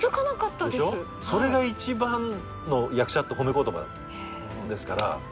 それが一番の役者って褒め言葉ですから。